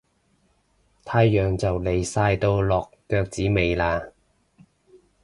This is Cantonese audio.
太陽就嚟晒到落腳子尾喇